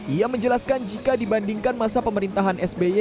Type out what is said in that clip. ia menjelaskan jika dibandingkan masa pemerintahan sby